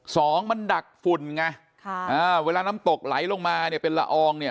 สองมันดักฝุ่นไงค่ะอ่าเวลาน้ำตกไหลลงมาเนี่ยเป็นละอองเนี่ย